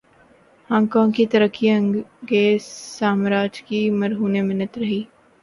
Hong Kong کی ترقی انگریز سامراج کی مرہون منت رہی۔